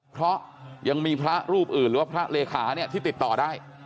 เพราะยังมีพระรูปอื่นหรือว่าพระเลขาเนี่ยที่ติดต่อได้